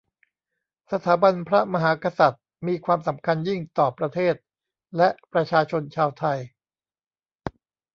สถาบันพระมหากษัตริย์มีความสำคัญยิ่งต่อประเทศและประชาชนชาวไทย